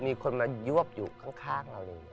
มีคนมายวกอยู่ข้างเราเลย